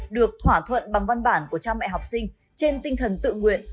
được thỏa thuận bằng văn bản của cha mẹ học sinh trên tinh thần tự nguyện